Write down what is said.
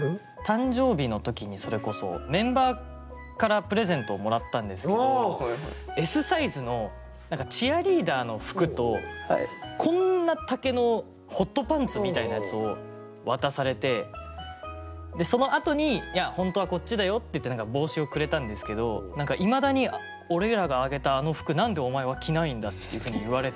誕生日の時にそれこそメンバーからプレゼントをもらったんですけどＳサイズの何かチアリーダーの服とこんな丈のホットパンツみたいなやつを渡されてそのあとに「いや本当はこっちだよ」って言って帽子をくれたんですけど何かいまだに「俺らがあげたあの服何でお前は着ないんだ」っていうふうに言われて。